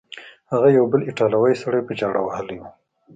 هغه یو بل ایټالوی سړی په چاړه وهلی و.